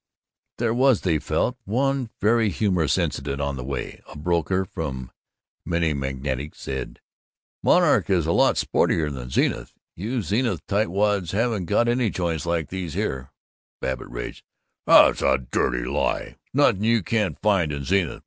There was, they felt, one very humorous incident on the way. A broker from Minnemagantic said, "Monarch is a lot sportier than Zenith. You Zenith tightwads haven't got any joints like these here." Babbitt raged, "That's a dirty lie! Snothin' you can't find in Zenith.